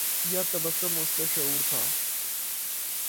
یا تبسم اُسکا شعور تھا